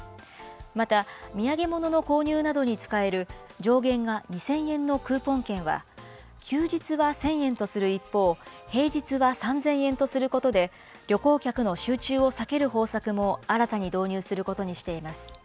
また、土産物の購入などに使える上限が２０００円のクーポン券は、休日は１０００円とする一方、平日は３０００円とすることで、旅行客の集中を避ける方策も新たに導入することにしています。